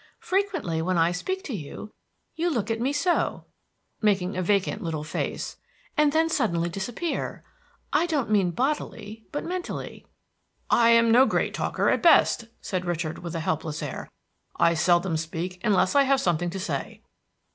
Frequently, when I speak to you, you look at me so," making a vacant little face, "and then suddenly disappear, I don't mean bodily, but mentally." "I am no great talker at best," said Richard with a helpless air. "I seldom speak unless I have something to say."